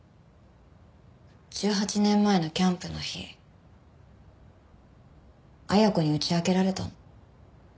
１８年前のキャンプの日恵子に打ち明けられたの。